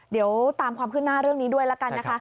เดี๋ยวตามความคืบหน้าเรื่องนี้ด้วยละกันนะคะ